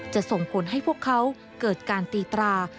ส่งผลให้พวกเขาเกิดการตีตรา